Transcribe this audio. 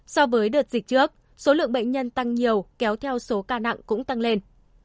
so với đợt dịch trước số lượng bệnh nhân tăng nhiều kéo theo số ca nặng cũng tăng lên